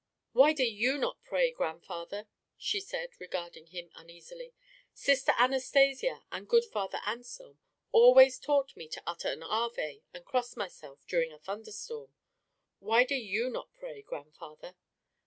"Why do you not pray, grandfather?" she said, regarding him uneasily. "Sister Anastasia and good Father Anselm always taught me to utter an Ave and cross myself during a thunderstorm. Why do you not pray, grandfather?"